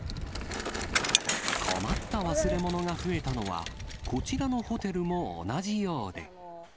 困った忘れ物が増えたのは、こちらのホテルも同じようで。